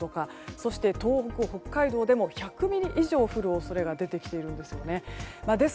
そして東北、北海道でも１００ミリ以上降る恐れが出てきているんです。